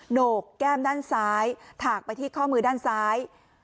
โหนกแก้มด้านซ้ายถากไปที่ข้อมือด้านซ้าย